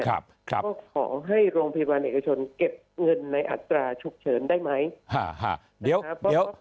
ก็ขอให้โรงพยาบาลเอกชนเก็บเงินในอัตราฉุกเฉินได้ไหม